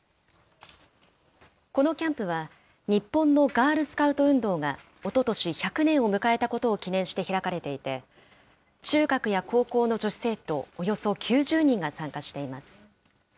このキャンプは、日本のガールスカウト運動がおととし１００年を迎えたことを記念して開かれていて、中学や高校の女子生徒およそ９０人が参加しています。